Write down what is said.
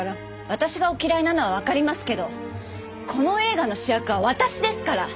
私がお嫌いなのはわかりますけどこの映画の主役は私ですから！